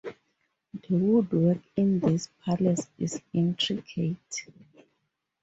The woodwork in this palace is intricate.